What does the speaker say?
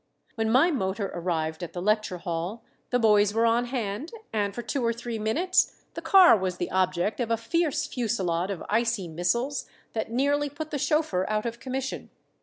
When my motor arrived at the lecture hall the boys were on hand, and for two or three minutes the car was the object of a fierce fusillade of icy missiles that nearly put the chauffeur out of commission.